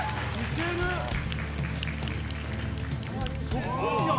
そっくりじゃん！